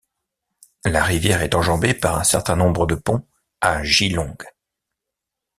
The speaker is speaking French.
La rivière est enjambée par un certain nombre de ponts à Geelong.